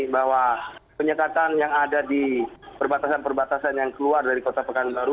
bahwa penyekatan yang ada di perbatasan perbatasan yang keluar dari kota pekanbaru